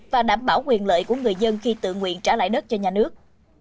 và đảm bảo quyền lợi của người dân khi tự nguyện trả lại đất cho nhà nước